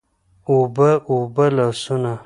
اوبه، اوبه لاسونه